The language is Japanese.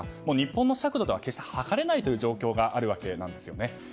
日本の尺度では決して測れないという状況があるわけなんですよね。